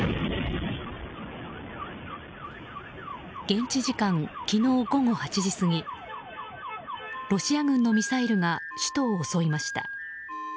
現地時間昨日午後８時過ぎロシア軍のミサイルが首都を襲いました。